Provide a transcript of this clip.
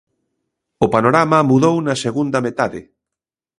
O panorama mudou na segunda metade.